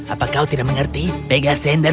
apa kau tidak mengerti pegasender